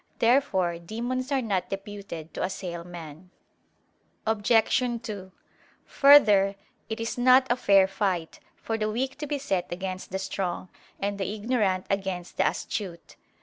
Therefore demons are not deputed to assail man. Obj. 2: Further, it is not a fair fight, for the weak to be set against the strong, and the ignorant against the astute.